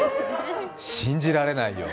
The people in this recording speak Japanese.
信じられないよ。